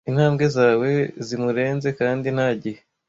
Intambwe zawe zimurenze , kandi nta gihe